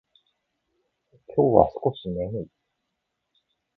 今日は少し眠い。